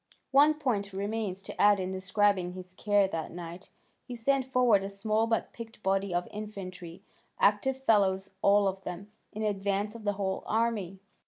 One point remains to add in describing his care that night; he sent forward a small but picked body of infantry, active fellows all of them, in advance of the whole army.